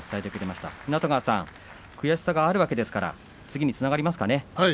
悔しさがあるわけですから次につながりますかね。